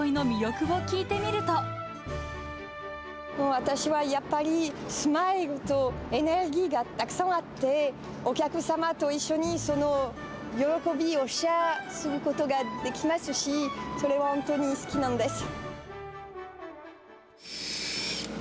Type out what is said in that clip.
私はやっぱり、スマイルとエネルギーがたくさんあって、お客様と一緒に、その喜びをシェアすることができますし、それが本当に好きなんです。